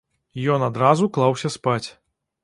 Ён адразу клаўся спаць.